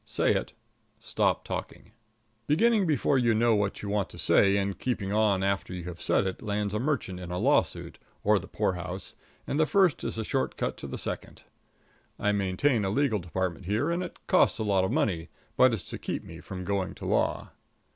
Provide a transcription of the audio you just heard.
Say it. Stop talking. Beginning before you know what you want to say and keeping on after you have said it lands a merchant in a lawsuit or the poorhouse, and the first is a short cut to the second. I maintain a legal department here, and it costs a lot of money, but it's to keep me from going to law.